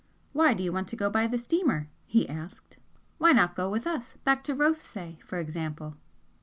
"Why do you want to go by the steamer?" he asked "Why not go with us back to Rothesay, for example?"